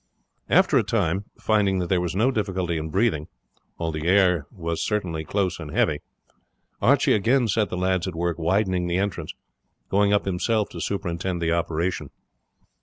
After a time, finding that there was no difficulty in breathing, although the air was certainly close and heavy, Archie again set the lads at work widening the entrance, going up himself to superintend the operation.